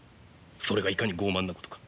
それがいかに傲慢なことか。